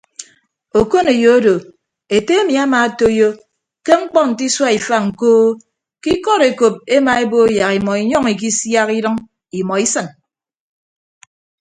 Okoneyo odo ete emi amaatoiyo ke mkpọ nte isua ifañ koo ke ikọd ekop emaebo yak imọ inyọñ ikisiak idʌñ imọ isịn.